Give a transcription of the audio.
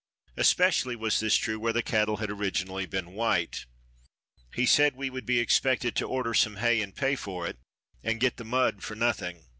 Especially was this true where the cattle had originally been white. He said we would be expected to order some hay and pay for it and get the mud for nothing.